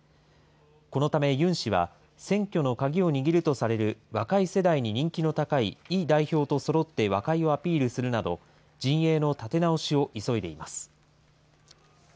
このためユン氏は、選挙の鍵を握るとされる若い世代に人気の高いイ代表とそろって和解をアピールするなど、陣営の立て直しを急いでいます。